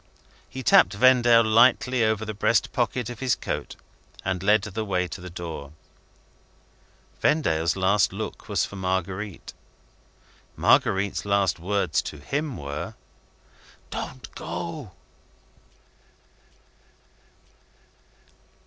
He tapped Vendale lightly over the breast pocket of his coat and led the way to the door. Vendale's last look was for Marguerite. Marguerite's last words to him were, "Don't go!"